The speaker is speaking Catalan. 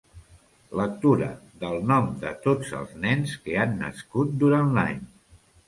Lectura del nom de tots els nens que han nascut durant l'any.